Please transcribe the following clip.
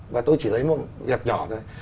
và tôi chỉ lấy một vẹp nhỏ thôi